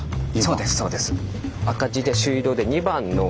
そうですそうです。